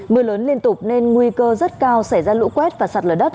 mưa lớn liên tục nên nguy cơ rất cao xảy ra lũ quét và sạt lở đất